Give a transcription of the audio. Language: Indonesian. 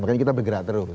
makanya kita bergerak terus